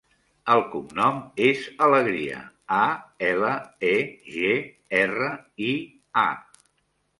El cognom és Alegria: a, ela, e, ge, erra, i, a.